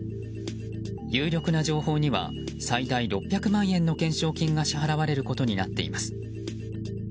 有力な情報には最大６００万円の懸賞金が支払われることになっています。